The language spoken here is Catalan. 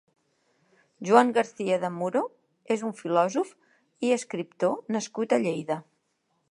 Joan Garcia del Muro és un filòsof i escriptor nascut a Lleida.